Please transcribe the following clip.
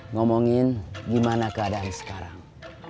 ngomongin gimana keadaan sekarang